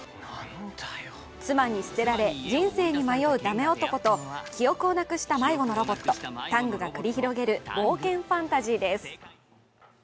妻に捨てられ、人生に迷う駄目男と記憶をなくした迷子のロボット・タングが繰り広げる冒険ファンタジーです。